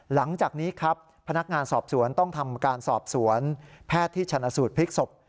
หลังจากนี้ครับพนักงานสอบสวนต้องทำการสอบสวนแพทย์ที่ชนะสูตรพลิกศพ